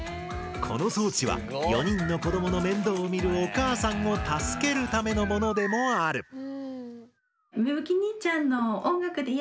この装置は４人の子どもの面倒を見るお母さんを助けるためのものでもある。